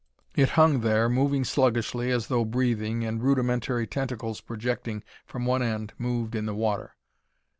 It hung there, moving sluggishly as though breathing, and rudimentary tentacles projecting from one end moved in the water.